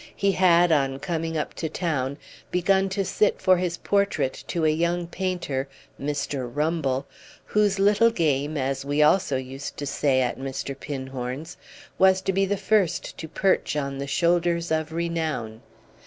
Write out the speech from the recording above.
He had on coming up to town begun to sit for his portrait to a young painter, Mr. Rumble, whose little game, as we also used to say at Mr. Pinhorn's, was to be the first to perch on the shoulders of renown.